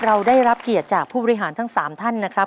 เราได้รับเกียรติจากผู้บริหารทั้ง๓ท่านนะครับ